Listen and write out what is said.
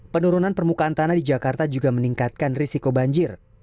penurunan permukaan tanah di jakarta juga meningkatkan risiko banjir